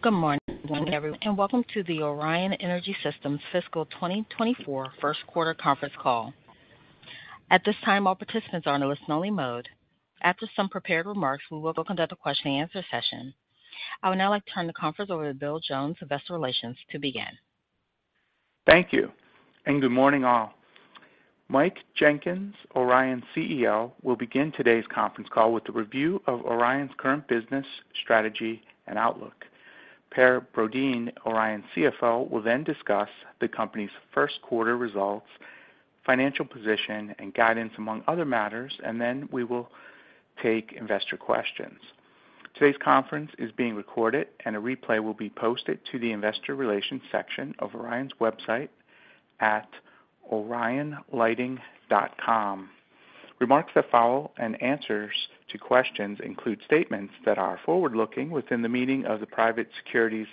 Good morning, everyone, and welcome to the Orion Energy Systems fiscal 2024 first quarter conference call. At this time, all participants are in a listen-only mode. After some prepared remarks, we will conduct a question-and-answer session. I would now like to turn the conference over to Bill Jones, Investor Relations, to begin Thank you, and good morning, all. Mike Jenkins, Orion's CEO, will begin today's conference call with the review of Orion's current business, strategy, and outlook. Per Brodin, Orion's CFO, will then discuss the company's first quarter results, financial position, and guidance, among other matters, and then we will take investor questions. Today's conference is being recorded, and a replay will be posted to the Investor Relations section of Orion's website at orionlighting.com. Remarks that follow and answers to questions include statements that are forward-looking within the meaning of the Private Securities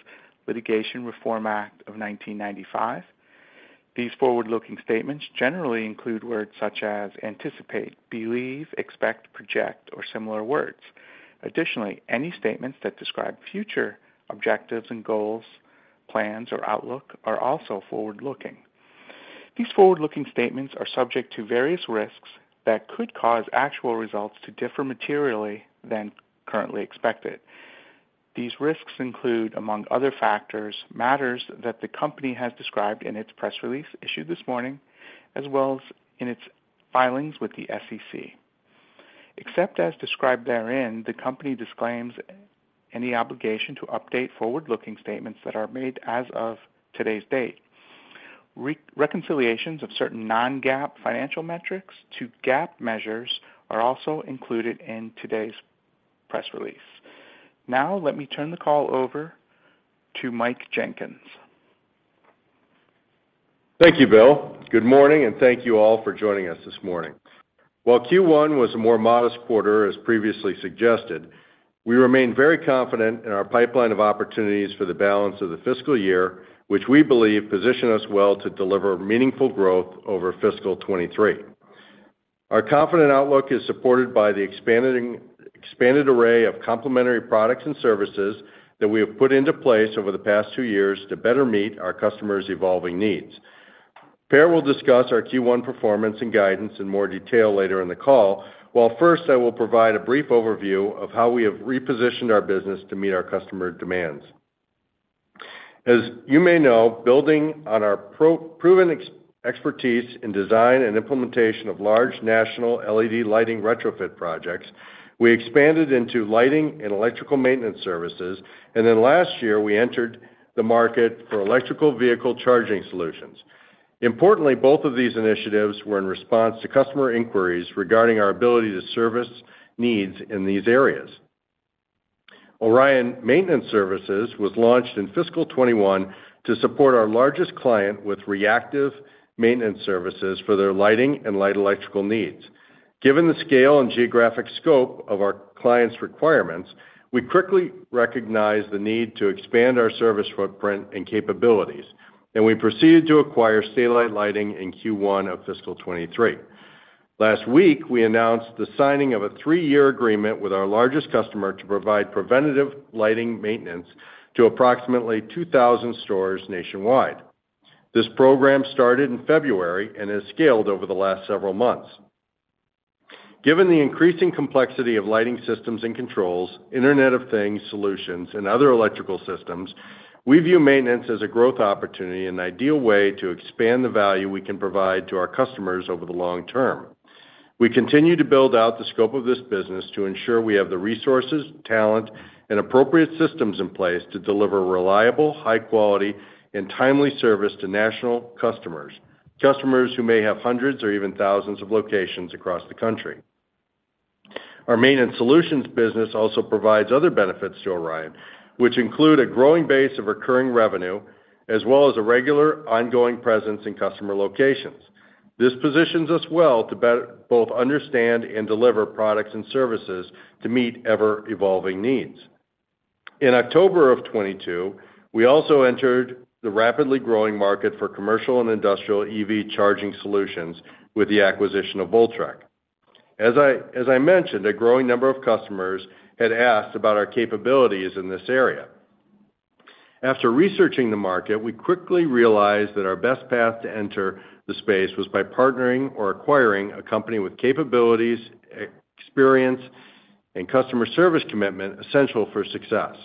Litigation Reform Act of 1995. These forward-looking statements generally include words such as anticipate, believe, expect, project, or similar words. Additionally, any statements that describe future objectives and goals, plans, or outlook are also forward-looking. These forward-looking statements are subject to various risks that could cause actual results to differ materially than currently expected. These risks include, among other factors, matters that the company has described in its press release issued this morning, as well as in its filings with the SEC. Except as described therein, the company disclaims any obligation to update forward-looking statements that are made as of today's date. Reconciliations of certain non-GAAP financial metrics to GAAP measures are also included in today's press release. Let me turn the call over to Mike Jenkins. Thank you, Bill. Good morning, thank you all for joining us this morning. While Q1 was a more modest quarter, as previously suggested, we remain very confident in our pipeline of opportunities for the balance of the fiscal year, which we believe positions us well to deliver meaningful growth over fiscal 2023. Our confident outlook is supported by the expanded array of complementary products and services that we have put into place over the past two years to better meet our customers' evolving needs. Per will discuss our Q1 performance and guidance in more detail later in the call. First, I will provide a brief overview of how we have repositioned our business to meet our customer demands. As you may know, building on our proven expertise in design and implementation of large national LED lighting retrofit projects, we expanded into lighting and electrical maintenance services, and then last year, we entered the market for electrical vehicle charging solutions. Importantly, both of these initiatives were in response to customer inquiries regarding our ability to service needs in these areas. Orion Maintenance Services was launched in fiscal 2021 to support our largest client with reactive Maintenance Services for their lighting and light electrical needs. Given the scale and geographic scope of our client's requirements, we quickly recognized the need to expand our service footprint and capabilities, and we proceeded to acquire Stay-Lite Lighting in Q1 of fiscal 2023. Last week, we announced the signing of a three-year agreement with our largest customer to provide preventative lighting maintenance to approximately 2,000 stores nationwide. This program started in February and has scaled over the last several months. Given the increasing complexity of lighting systems and controls, Internet of Things solutions, and other electrical systems, we view maintenance as a growth opportunity and an ideal way to expand the value we can provide to our customers over the long-term. We continue to build out the scope of this business to ensure we have the resources, talent, and appropriate systems in place to deliver reliable, high-quality, and timely service to national customers, customers who may have hundreds or even thousands of locations across the country. Our Maintenance Solutions business also provides other benefits to Orion, which include a growing base of recurring revenue, as well as a regular, ongoing presence in customer locations. This positions us well to both understand and deliver products and services to meet ever-evolving needs. In October of 2022, we also entered the rapidly growing market for commercial and industrial EV charging solutions with the acquisition of Voltrek. As I mentioned, a growing number of customers had asked about our capabilities in this area. After researching the market, we quickly realized that our best path to enter the space was by partnering or acquiring a company with capabilities, experience, and customer service commitment essential for success.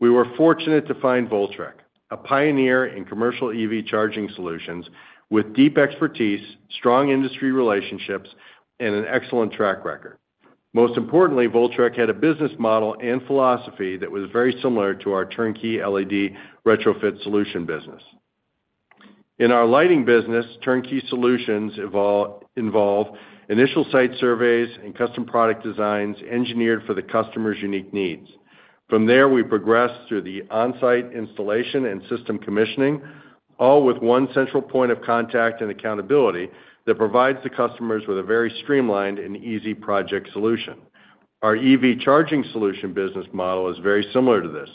We were fortunate to find Voltrek, a pioneer in commercial EV charging solutions, with deep expertise, strong industry relationships, and an excellent track record. Most importantly, Voltrek had a business model and philosophy that was very similar to our turnkey LED retrofit solution business. In our lighting business, turnkey solutions involve initial site surveys and custom product designs engineered for the customer's unique needs. From there, we progress through the on-site installation and system commissioning, all with one central point of contact and accountability that provides the customers with a very streamlined and easy project solution. Our EV charging solution business model is very similar to this,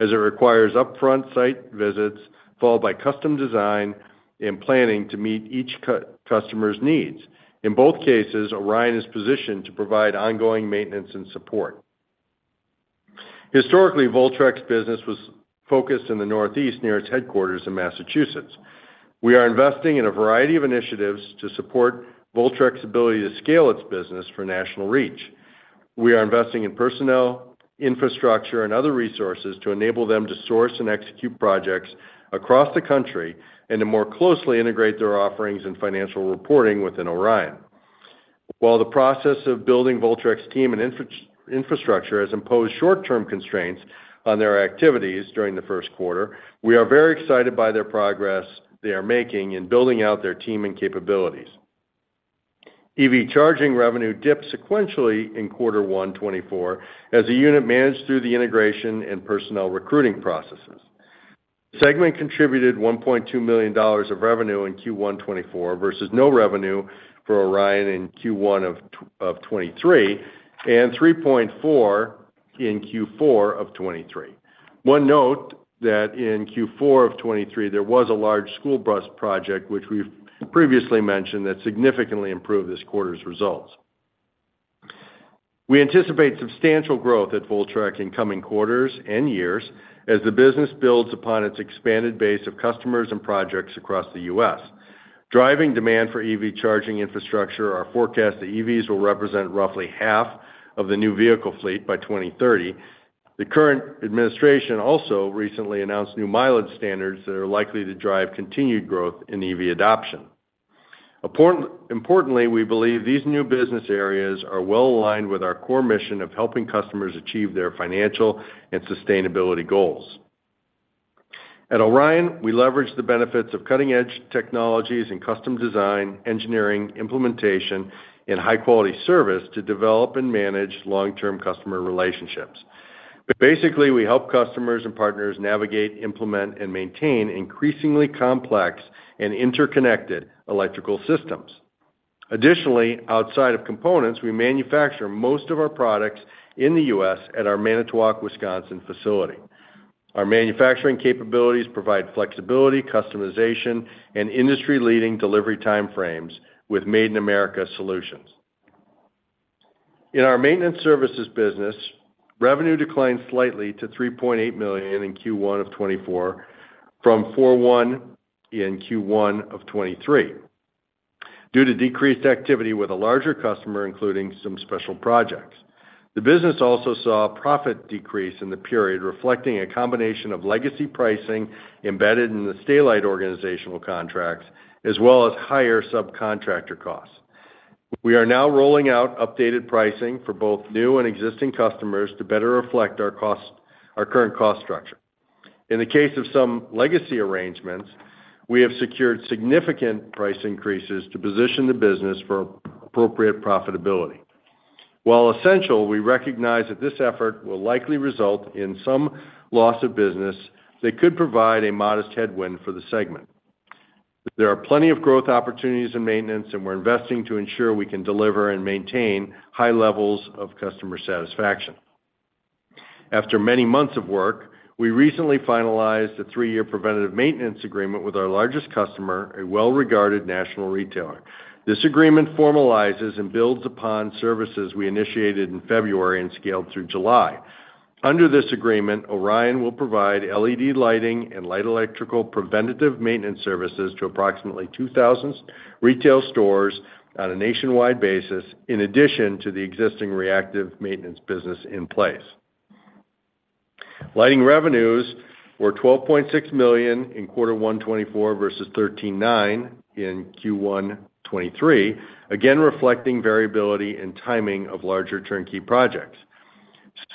as it requires upfront site visits, followed by custom design and planning to meet each customer's needs. In both cases, Orion is positioned to provide ongoing maintenance and support. Historically, Voltrek business was focused in the Northeast, near its headquarters in Massachusetts. We are investing in a variety of initiatives to support Voltrek's ability to scale its business for national reach. We are investing in personnel, infrastructure, and other resources to enable them to source and execute projects across the country and to more closely integrate their offerings and financial reporting within Orion. While the process of building Voltrek team and infrastructure has imposed short-term constraints on their activities during the first quarter, we are very excited by their progress they are making in building out their team and capabilities. EV charging revenue dipped sequentially in Q1 2024 as a unit managed through the integration and personnel recruiting processes. Segment contributed $1.2 million of revenue in Q1 2024, versus no revenue for Orion in Q1 2023, and $3.4 million in Q4 2023. One note, that in Q4 2023, there was a large school bus project, which we've previously mentioned, that significantly improved this quarter's results. We anticipate substantial growth at Voltrek in coming quarters and years as the business builds upon its expanded base of customers and projects across the U.S. Driving demand for EV charging infrastructure, our forecast to EVs will represent roughly half of the new vehicle fleet by 2030. The current administration also recently announced new mileage standards that are likely to drive continued growth in EV adoption. Importantly, we believe these new business areas are well aligned with our core mission of helping customers achieve their financial and sustainability goals. At Orion, we leverage the benefits of cutting-edge technologies and custom design, engineering, implementation, and high-quality service to develop and manage long-term customer relationships. Basically, we help customers and partners navigate, implement, and maintain increasingly complex and interconnected electrical systems. Additionally, outside of components, we manufacture most of our products in the U.S. at our Manitowoc, Wisconsin, facility. Our manufacturing capabilities provide flexibility, customization, and industry-leading delivery time frames with Made in America solutions. In our Orion Maintenance Services business, revenue declined slightly to $3.8 million in Q1 of 2024, from $4.1 million in Q1 of 2023, due to decreased activity with a larger customer, including some special projects. The business also saw a profit decrease in the period, reflecting a combination of legacy pricing embedded in the Stay-Lite organizational contracts, as well as higher subcontractor costs. We are now rolling out updated pricing for both new and existing customers to better reflect our current cost structure. In the case of some legacy arrangements, we have secured significant price increases to position the business for appropriate profitability. While essential, we recognize that this effort will likely result in some loss of business that could provide a modest headwind for the segment. There are plenty of growth opportunities in maintenance, and we're investing to ensure we can deliver and maintain high levels of customer satisfaction. After many months of work, we recently finalized a three-year preventative maintenance agreement with our largest customer, a well-regarded national retailer. This agreement formalizes and builds upon services we initiated in February and scaled through July. Under this agreement, Orion will provide LED lighting and light electrical preventative maintenance services to approximately 2,000 retail stores on a nationwide basis, in addition to the existing reactive maintenance business in place. Lighting revenues were $12.6 million in Q1 2024, versus $13.9 million in Q1 2023, again, reflecting variability and timing of larger turnkey projects.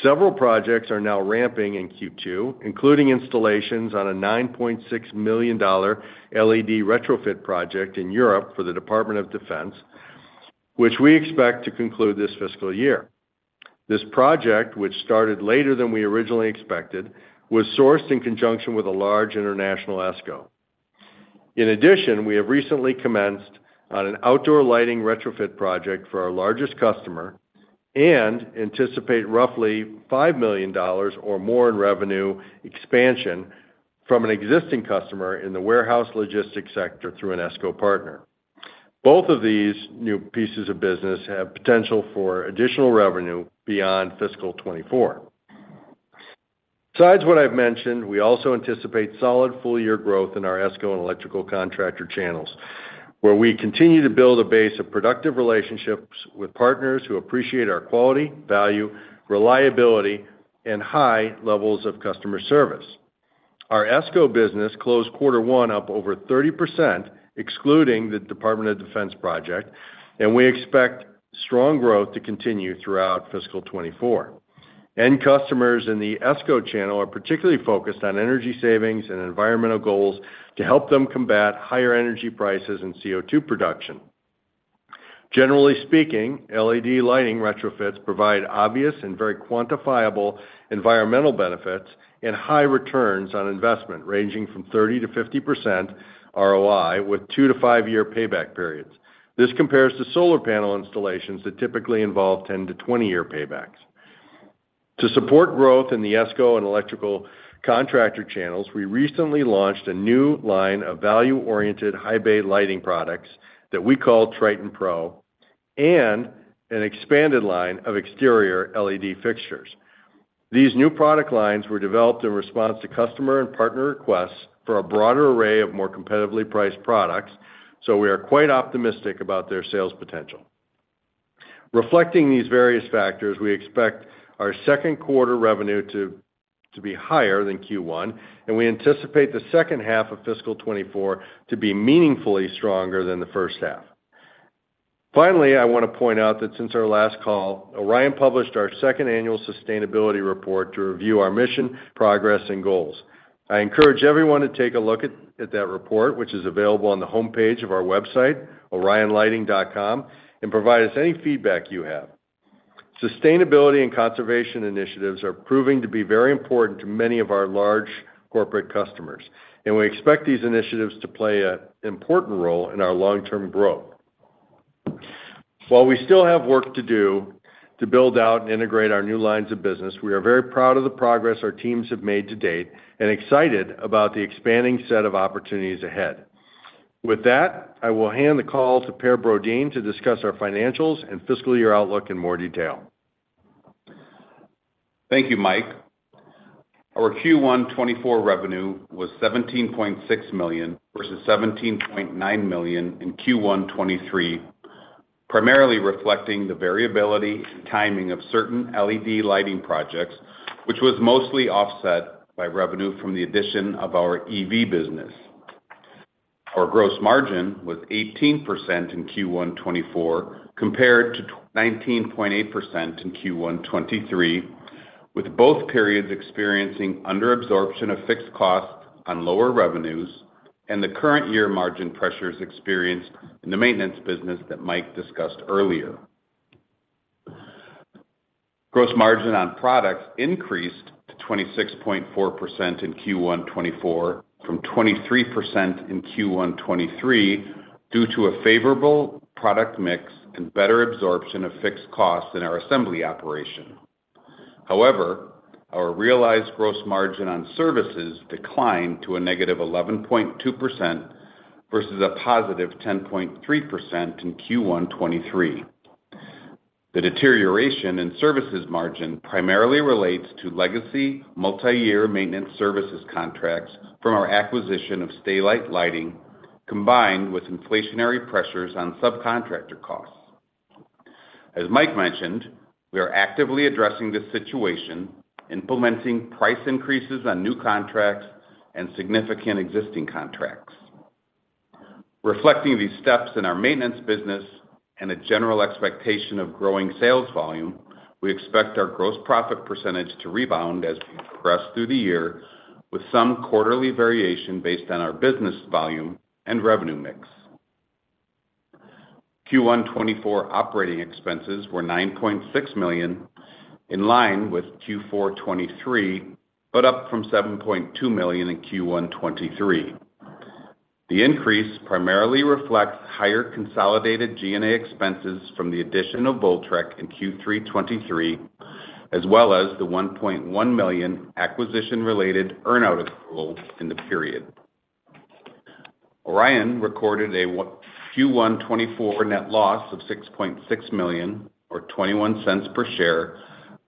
Several projects are now ramping in Q2, including installations on a $9.6 million LED retrofit project in Europe for the Department of Defense, which we expect to conclude this fiscal year. This project, which started later than we originally expected, was sourced in conjunction with a large international ESCO. In addition, we have recently commenced on an outdoor lighting retrofit project for our largest customer and anticipate roughly $5 million or more in revenue expansion from an existing customer in the warehouse logistics sector through an ESCO partner. Both of these new pieces of business have potential for additional revenue beyond fiscal 2024. Besides what I've mentioned, we also anticipate solid full-year growth in our ESCO and electrical contractor channels, where we continue to build a base of productive relationships with partners who appreciate our quality, value, reliability, and high levels of customer service. Our ESCO business closed quarter one up over 30%, excluding the Department of Defense project, and we expect strong growth to continue throughout fiscal 2024. End customers in the ESCO channel are particularly focused on energy savings and environmental goals to help them combat higher energy prices and CO2 production. Generally speaking, LED lighting retrofits provide obvious and very quantifiable environmental benefits and high returns on investment, ranging from 30%-50% ROI, with two to five year payback periods. This compares to solar panel installations that typically involve 10-20-year paybacks. To support growth in the ESCO and electrical contractor channels, we recently launched a new line of value-oriented high bay lighting products that we call TritonPro.... and an expanded line of exterior LED fixtures. These new product lines were developed in response to customer and partner requests for a broader array of more competitively priced products, so we are quite optimistic about their sales potential. Reflecting these various factors, we expect our second quarter revenue to be higher than Q1, and we anticipate the second half of fiscal 2024 to be meaningfully stronger than the first half. Finally, I want to point out that since our last call, Orion published our second annual sustainability report to review our mission, progress, and goals. I encourage everyone to take a look at that report, which is available on the homepage of our website, orionlighting.com, and provide us any feedback you have. Sustainability and conservation initiatives are proving to be very important to many of our large corporate customers, and we expect these initiatives to play an important role in our long-term growth. While we still have work to do to build out and integrate our new lines of business, we are very proud of the progress our teams have made to date, excited about the expanding set of opportunities ahead. With that, I will hand the call to Per Brodin to discuss our financials and fiscal year outlook in more detail. Thank you, Mike. Our Q1 2024 revenue was $17.6 million, versus $17.9 million in Q1 2023, primarily reflecting the variability and timing of certain LED lighting projects, which was mostly offset by revenue from the addition of our EV business. Our gross margin was 18% in Q1 2024, compared to 19.8% in Q1 2023, with both periods experiencing under absorption of fixed costs on lower revenues and the current year margin pressures experienced in the maintenance business that Mike discussed earlier. Gross margin on products increased to 26.4% in Q1 2024 from 23% in Q1 2023, due to a favorable product mix and better absorption of fixed costs in our assembly operation. Our realized gross margin on services declined to a -11.2% versus a +10.3% in Q1 2023. The deterioration in services margin primarily relates to legacy multi-year maintenance services contracts from our acquisition of Stay-Lite Lighting, combined with inflationary pressures on subcontractor costs. As Mike mentioned, we are actively addressing this situation, implementing price increases on new contracts and significant existing contracts. Reflecting these steps in our maintenance business and a general expectation of growing sales volume, we expect our gross profit % to rebound as we progress through the year, with some quarterly variation based on our business volume and revenue mix. Q1 2024 operating expenses were $9.6 million, in line with Q4 2023, but up from $7.2 million in Q1 2023. The increase primarily reflects higher consolidated G&A expenses from the addition of Voltrek in Q3 2023, as well as the $1.1 million acquisition-related earn-out accrual in the period. Orion recorded a Q1 2024 net loss of $6.6 million, or $0.21 per share,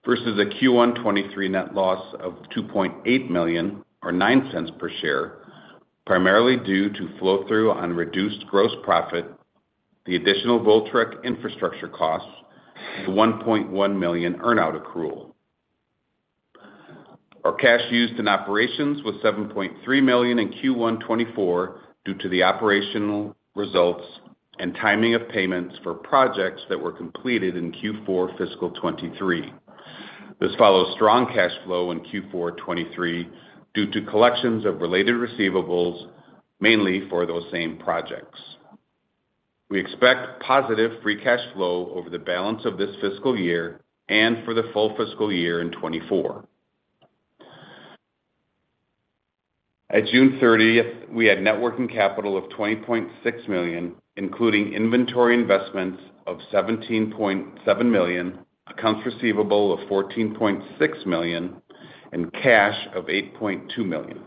versus a Q1 2023 net loss of $2.8 million, or $0.09 per share, primarily due to flow-through on reduced gross profit, the additional Voltrek infrastructure costs, and the $1.1 million earn-out accrual. Our cash used in operations was $7.3 million in Q1 2024 due to the operational results and timing of payments for projects that were completed in Q4 fiscal 2023. This follows strong cash flow in Q4 2023 due to collections of related receivables, mainly for those same projects. We expect positive free cash flow over the balance of this fiscal year and for the full fiscal year in 2024. At June 30, we had net working capital of $20.6 million, including inventory investments of $17.7 million, accounts receivable of $14.6 million, and cash of $8.2 million.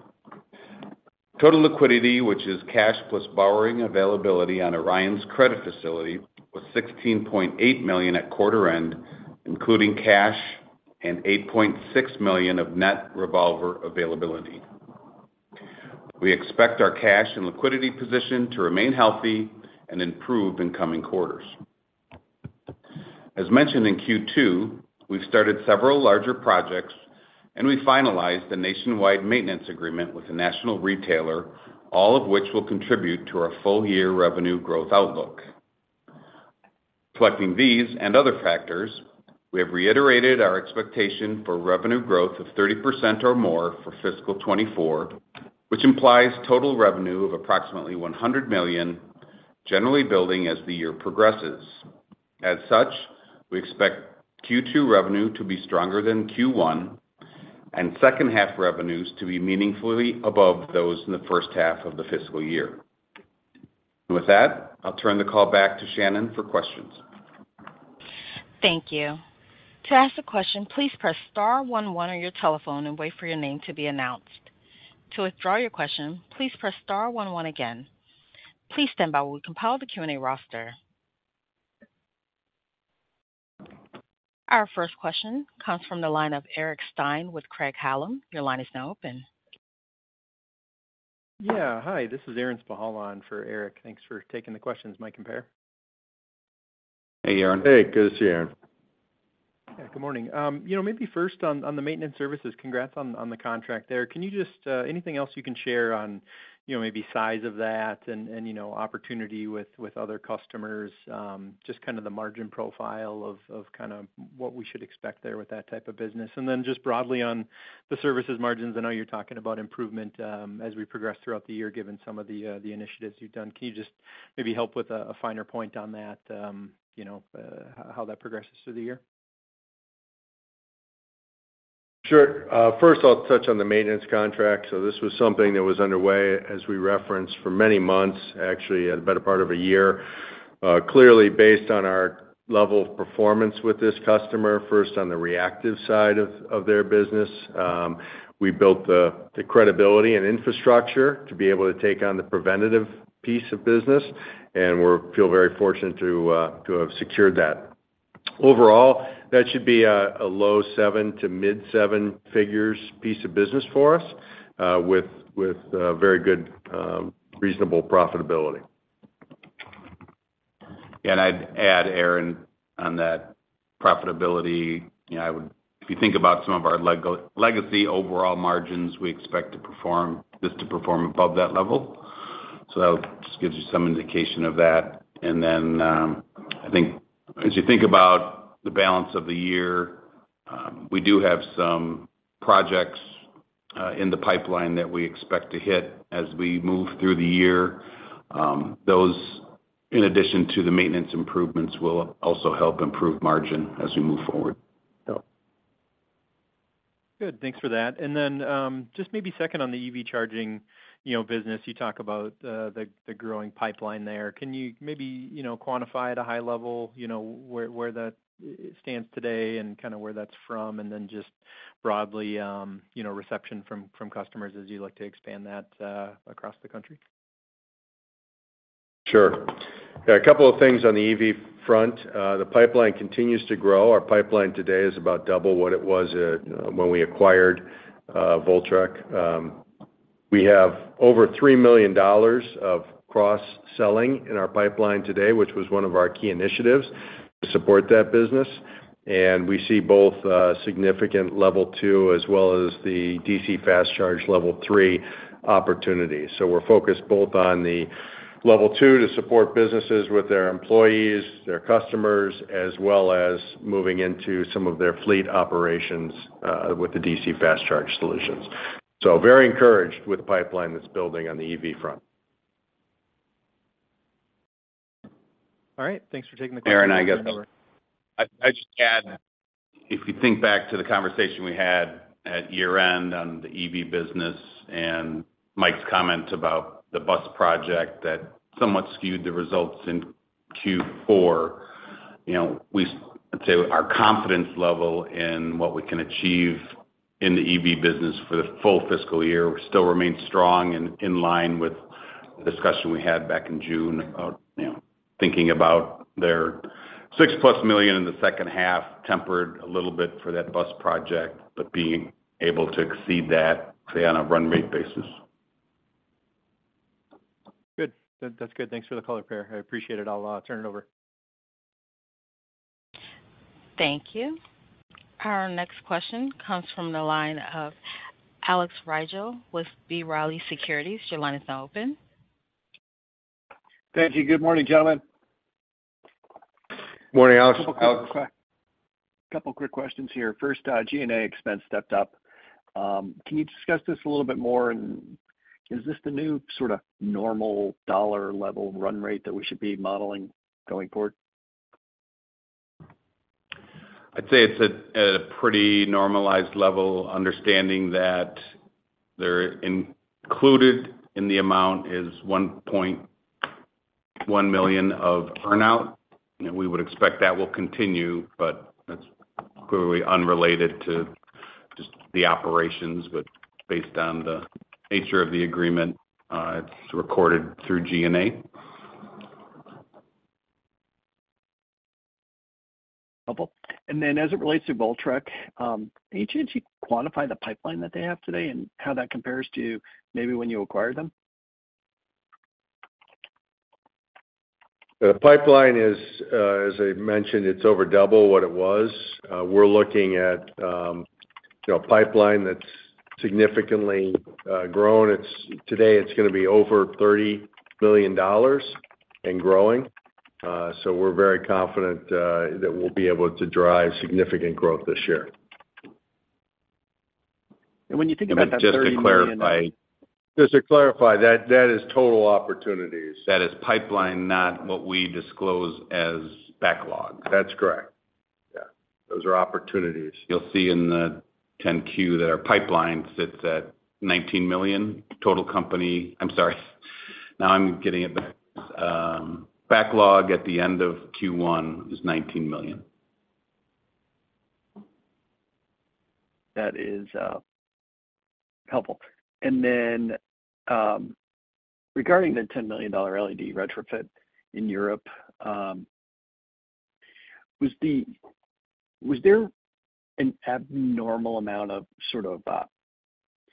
Total liquidity, which is cash plus borrowing availability on Orion's credit facility, was $16.8 million at quarter end, including cash and $8.6 million of net revolver availability. We expect our cash and liquidity position to remain healthy and improve in coming quarters. As mentioned in Q2, we've started several larger projects, and we finalized a nationwide maintenance agreement with a national retailer, all of which will contribute to our full-year revenue growth outlook. Reflecting these and other factors, we have reiterated our expectation for revenue growth of 30% or more for fiscal 2024, which implies total revenue of approximately $100 million, generally building as the year progresses. As such, we expect Q2 revenue to be stronger than Q1 and second-half revenues to be meaningfully above those in the first half of the fiscal year. With that, I'll turn the call back to Shannon for questions.... Thank you. To ask a question, please press star one one on your telephone and wait for your name to be announced. To withdraw your question, please press star one one again. Please stand by while we compile the Q&A roster. Our first question comes from the line of Aaron Spychalla with Craig-Hallum. Your line is now open. Yeah. Hi, this is Aaron Spychalla for Eric. Thanks for taking the questions, Mike and Per. Hey, Aaron. Hey, good to see you, Aaron. Good morning. You know, maybe first on, on the maintenance services, congrats on, on the contract there. Can you just anything else you can share on, you know, maybe size of that and, and, you know, opportunity with, with other customers, just kind of the margin profile of, of kind of what we should expect there with that type of business? Just broadly on the services margins, I know you're talking about improvement, as we progress throughout the year, given some of the initiatives you've done. Can you just maybe help with a finer point on that, you know, how that progresses through the year? Sure. First, I'll touch on the maintenance contract. This was something that was underway as we referenced for many months, actually, a better part of a year. Clearly, based on our level of performance with this customer, first on the reactive side of, of their business, we built the, the credibility and infrastructure to be able to take on the preventative piece of business, and we're feel very fortunate to, to have secured that. Overall, that should be a, a low seven figures - mid-seven figures piece of business for us, with, with, very good, reasonable profitability. I'd add, Aaron, on that profitability, you know, if you think about some of our legacy overall margins, we expect to perform, this to perform above that level. That just gives you some indication of that. Then, I think as you think about the balance of the year, we do have some projects in the pipeline that we expect to hit as we move through the year. Those, in addition to the maintenance improvements, will also help improve margin as we move forward. Good. Thanks for that. Just maybe second on the EV charging, you know, business, you talk about, the, the growing pipeline there. Can you maybe, you know, quantify at a high level, you know, where, where that stands today and kind of where that's from, and then just broadly, you know, reception from, from customers as you look to expand that across the country? Sure. Yeah, a couple of things on the EV front. The pipeline continues to grow. Our pipeline today is about double what it was at when we acquired Voltrek. We have over $3 million of cross-selling in our pipeline today, which was one of our key initiatives to support that business, and we see both significant Level two as well as the DC fast charge Level three opportunities. We're focused both on the Level two to support businesses with their employees, their customers, as well as moving into some of their fleet operations with the DC fast charge solutions. Very encouraged with the pipeline that's building on the EV front. All right, thanks for taking the call. Aaron, I guess I, I'd just add, if you think back to the conversation we had at year-end on the EV business and Mike's comment about the bus project that somewhat skewed the results in Q4, you know, we I'd say our confidence level in what we can achieve in the EV business for the full fiscal year still remains strong and in line with the discussion we had back in June about, you know, thinking about their $6+ million in the second half, tempered a little bit for that bus project, but being able to exceed that, say, on a run rate basis. Good. That, that's good. Thanks for the color, Per. I appreciate it. I'll turn it over. Thank you. Our next question comes from the line of Alex Rygiel with B. Riley Securities. Your line is now open. Thank you. Good morning, gentlemen. Morning, Alex. Alex. A couple quick questions here. First, G&A expense stepped up. Can you discuss this a little bit more? Is this the new sort of normal dollar level run rate that we should be modeling going forward? I'd say it's at a, at a pretty normalized level, understanding that included in the amount is $1.1 million of earn-out, and we would expect that will continue, but that's clearly unrelated to just the operations. Based on the nature of the agreement, it's recorded through G&A. Wonderful. As it relates to Voltrek, can you quantify the pipeline that they have today and how that compares to maybe when you acquired them? The pipeline is, as I mentioned, it's over double what it was. We're looking at, you know, a pipeline that's significantly grown. Today, it's going to be over $30 million and growing. We're very confident that we'll be able to drive significant growth this year. When you think about that $30 million. Just to clarify. Just to clarify, that, that is total opportunities. That is pipeline, not what we disclose as backlog. That's correct. Yeah.... those are opportunities. You'll see in the 10-Q that our pipeline sits at $19 million. Total company, I'm sorry, now I'm getting it back. Backlog at the end of Q1 is $19 million. That is helpful. Regarding the $10 million LED retrofit in Europe, was there an abnormal amount of sort of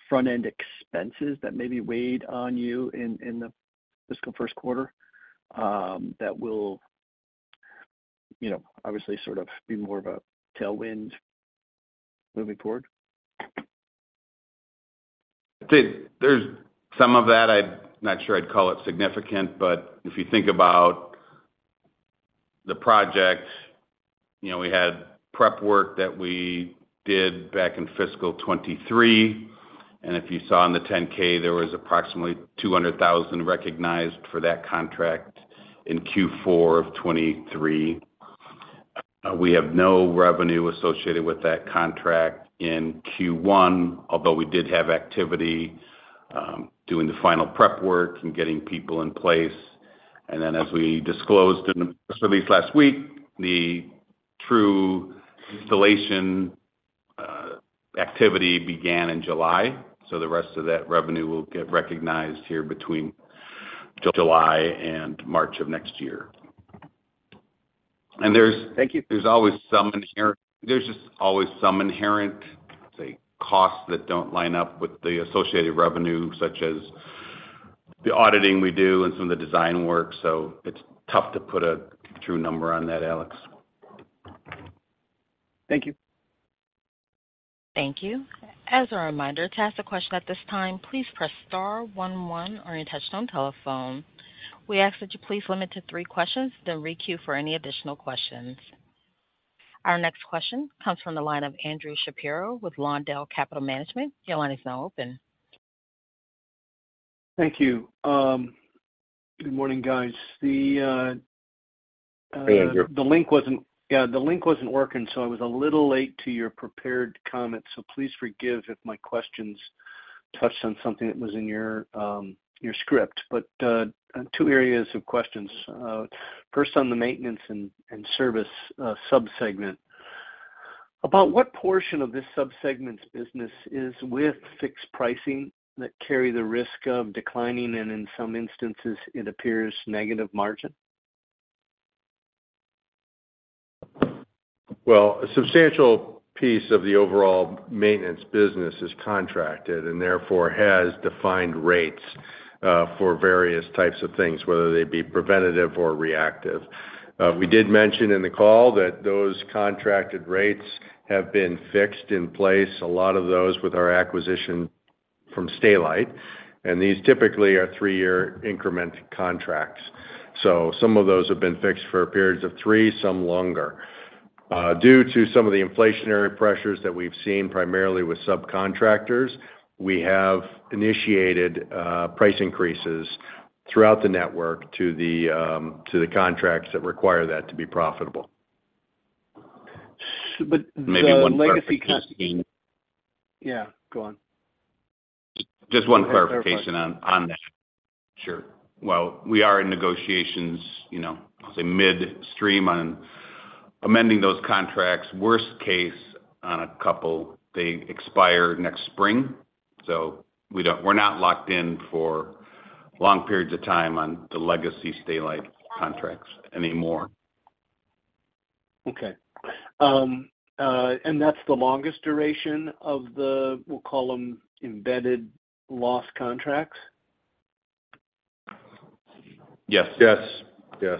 front-end expenses that maybe weighed on you in the fiscal first quarter that will, you know, obviously sort of be more of a tailwind moving forward? There, there's some of that. I'm not sure I'd call it significant, but if you think about the project, you know, we had prep work that we did back in fiscal 2023. If you saw in the 10-K, there was approximately $200,000 recognized for that contract in Q4 of 2023. We have no revenue associated with that contract in Q1, although we did have activity doing the final prep work and getting people in place. Then, as we disclosed in the press release last week, the true installation activity began in July. The rest of that revenue will get recognized here between July and March of next year. There's- Thank you. There's just always some inherent, say, costs that don't line up with the associated revenue, such as the auditing we do and some of the design work. It's tough to put a true number on that, Alex. Thank you. Thank you. As a reminder, to ask a question at this time, please press star one one on your touchtone telephone. We ask that you please limit to three questions, then requeue for any additional questions. Our next question comes from the line of Andrew Shapiro with Lawndale Capital Management. Your line is now open. Thank you. Good morning, guys. Hey, Andrew. the link wasn't... Yeah, the link wasn't working, so I was a little late to your prepared comments, so please forgive if my questions touched on something that was in your script. Two areas of questions. First, on the maintenance and, and service, subsegment. About what portion of this subsegment's business is with fixed pricing that carry the risk of declining, and in some instances, it appears negative margin? A substantial piece of the overall maintenance business is contracted and therefore has defined rates for various types of things, whether they be preventative or reactive. We did mention in the call that those contracted rates have been fixed in place, a lot of those with our acquisition from Stay-Lite, and these typically are three-year increment contracts. Some of those have been fixed for periods of three, some longer. Due to some of the inflationary pressures that we've seen, primarily with subcontractors, we have initiated price increases throughout the network to the contracts that require that to be profitable. the legacy- Maybe one clarification. Yeah, go on. Just one clarification on, on that. Sure. Well, we are in negotiations, you know, I'll say midstream, on amending those contracts. Worst case, on a couple, they expire next spring, so we're not locked in for long periods of time on the legacy Stay-Lite contracts anymore. Okay. And that's the longest duration of the, we'll call them, embedded loss contracts? Yes. Yes, yes.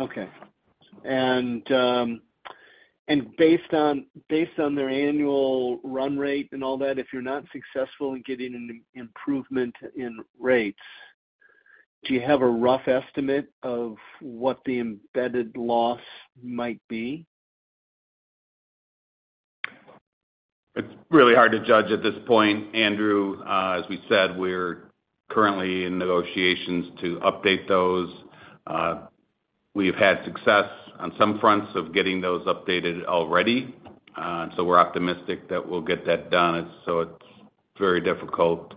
Okay. Based on, and based on their annual run rate and all that, if you're not successful in getting an improvement in rates, do you have a rough estimate of what the embedded loss might be? It's really hard to judge at this point, Andrew. As we said, we're currently in negotiations to update those. We've had success on some fronts of getting those updated already, we're optimistic that we'll get that done. It's very difficult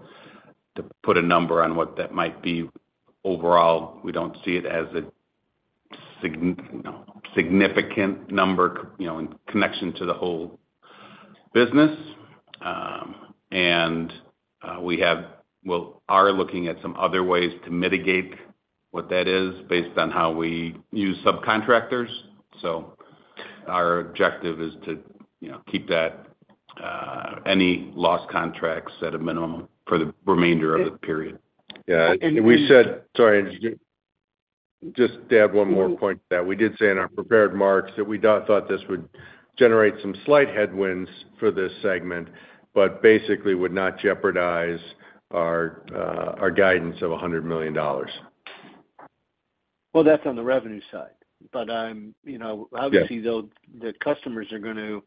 to put a number on what that might be. Overall, we don't see it as a significant number, you know, in connection to the whole business. We are looking at some other ways to mitigate what that is based on how we use subcontractors. Our objective is to, you know, keep that any lost contracts at a minimum for the remainder of the period. Yeah, Sorry, just to add one more point to that. We did say in our prepared remarks that we thought this would generate some slight headwinds for this segment, but basically would not jeopardize our guidance of $100 million. Well, that's on the revenue side, but I'm, you know- Yeah. Obviously, the, the customers are going to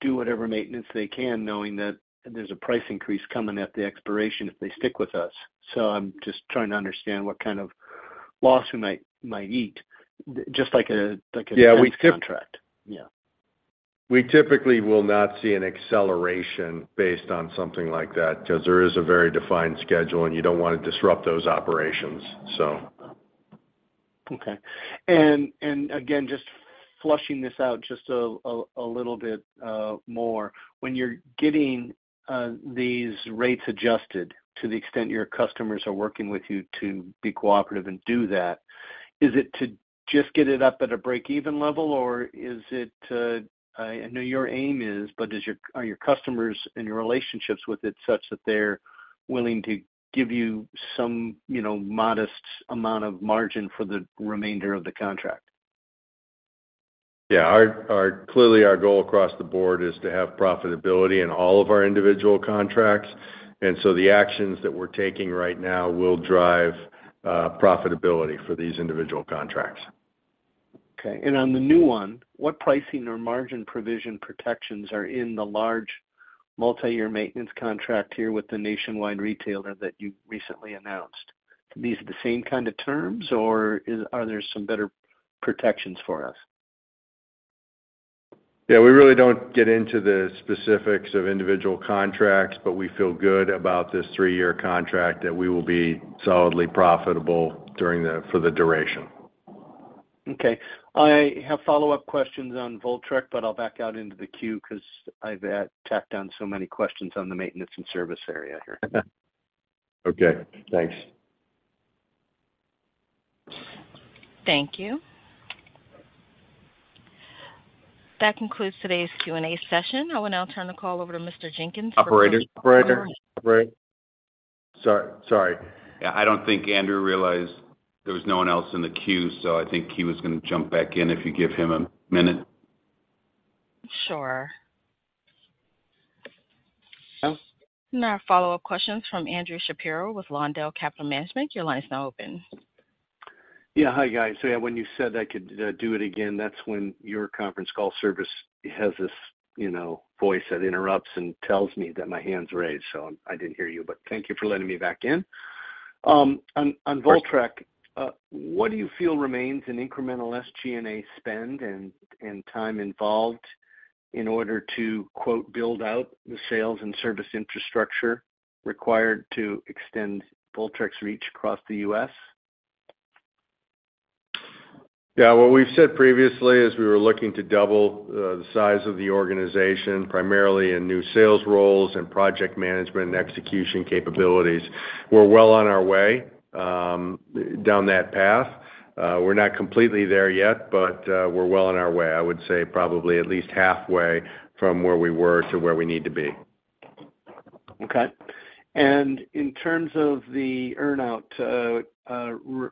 do whatever maintenance they can, knowing that there's a price increase coming at the expiration if they stick with us. I'm just trying to understand what kind of loss we might, might eat, just like a, like a contract. Yeah. We typically will not see an acceleration based on something like that, 'cause there is a very defined schedule, and you don't want to disrupt those operations, so. Okay. Again, just flushing this out just a little bit more. When you're getting these rates adjusted to the extent your customers are working with you to be cooperative and do that, is it to just get it up at a break-even level, or is it to I know your aim is, but does your, are your customers and your relationships with it such that they're willing to give you some, you know, modest amount of margin for the remainder of the contract? Yeah, clearly, our goal across the board is to have profitability in all of our individual contracts, so the actions that we're taking right now will drive profitability for these individual contracts. Okay. On the new one, what pricing or margin provision protections are in the large multiyear maintenance contract here with the nationwide retailer that you recently announced? These are the same kind of terms, are there some better protections for us? Yeah, we really don't get into the specifics of individual contracts, but we feel good about this three-year contract, that we will be solidly profitable during the, for the duration. Okay. I have follow-up questions on Voltrek, but I'll back out into the queue because I've tacked on so many questions on the maintenance and service area here. Okay, thanks. Thank you. That concludes today's Q&A session. I will now turn the call over to Mr. Jenkins. Sorry, sorry. Yeah, I don't think Andrew realized there was no one else in the queue, so I think he was going to jump back in if you give him a minute. Sure. Follow-up questions from Andrew Shapiro with Lawndale Capital Management. Your line is now open. Yeah. Hi, guys. Yeah, when you said I could do it again, that's when your conference call service has this, you know, voice that interrupts and tells me that my hand's raised, so I didn't hear you, but thank you for letting me back in. On, on Voltrek, what do you feel remains an incremental SG&A spend and, and time involved in order to, quote, "build out" the sales and service infrastructure required to extend Voltrek's reach across the U.S.? Yeah, what we've said previously is we were looking to double, the size of the organization, primarily in new sales roles and project management and execution capabilities. We're well on our way, down that path. We're not completely there yet, but we're well on our way. I would say probably at least halfway from where we were to where we need to be. Okay. In terms of the earn-out,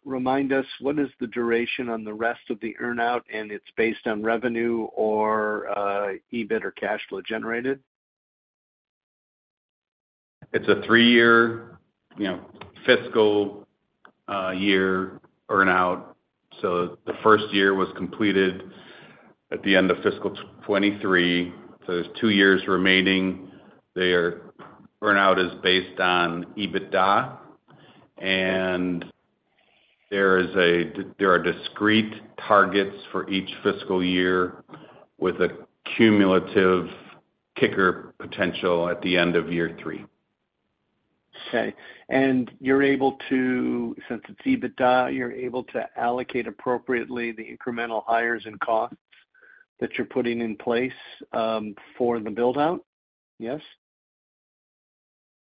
remind us, what is the duration on the rest of the earn-out, and it's based on revenue or EBIT or cash flow generated? It's a three-year, you know, fiscal year earn-out, the first year was completed at the end of fiscal 2023. There's two years remaining. Earn-out is based on EBITDA, there are discrete targets for each fiscal year with a cumulative kicker potential at the end of year three. Okay. You're able to, since it's EBITDA, you're able to allocate appropriately the incremental hires and costs that you're putting in place, for the build-out? Yes.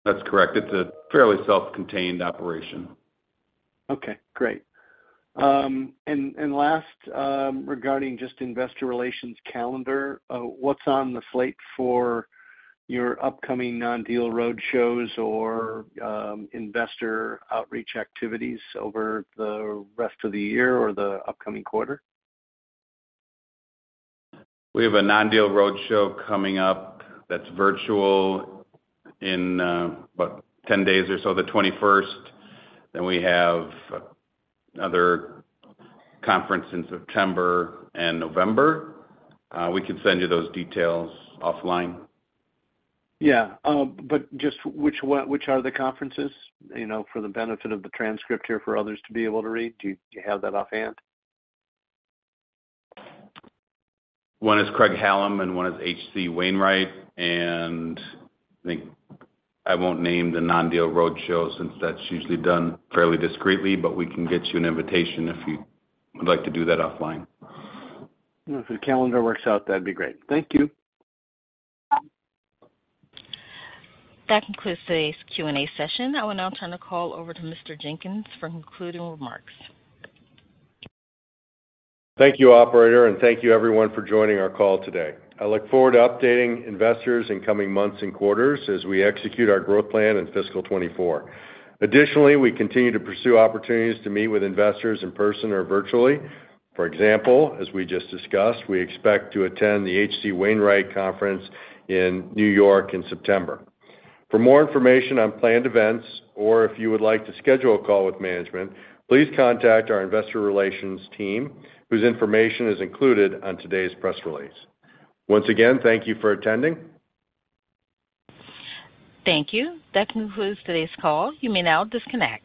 That's correct. It's a fairly self-contained operation. Okay, great. Regarding just investor relations calendar, what's on the slate for your upcoming non-deal roadshows or investor outreach activities over the rest of the year or the upcoming quarter? We have a non-deal roadshow coming up that's virtual in, what, 10 days or so, the 21st. We have another conference in September and November. We can send you those details offline. Yeah, but just which one, which are the conferences? You know, for the benefit of the transcript here, for others to be able to read. Do you have that offhand? One is Craig-Hallum and one is H.C. Wainwright, and I think I won't name the non-deal roadshow since that's usually done fairly discreetly, but we can get you an invitation if you would like to do that offline. If the calendar works out, that'd be great. Thank you. That concludes today's Q&A session. I will now turn the call over to Mr. Jenkins for concluding remarks. Thank you, operator, and thank you everyone for joining our call today. I look forward to updating investors in coming months and quarters as we execute our growth plan in fiscal 2024. Additionally, we continue to pursue opportunities to meet with investors in person or virtually. For example, as we just discussed, we expect to attend the H.C. Wainwright Conference in New York in September. For more information on planned events, or if you would like to schedule a call with management, please contact our investor relations team, whose information is included on today's press release. Once again, thank you for attending. Thank you. That concludes today's call. You may now disconnect.